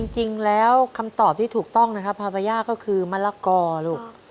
จริงแล้วคำตอบที่ถูกต้องนะครับพาบาย่าก็คือมะละกอลูก